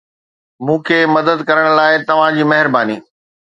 مون کي مدد ڪرڻ لاء توهان جي مهرباني